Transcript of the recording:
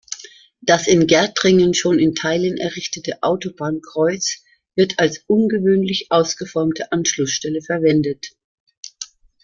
Das in Gärtringen schon in Teilen errichtete Autobahnkreuz wird als ungewöhnlich ausgeformte Anschlussstelle verwendet.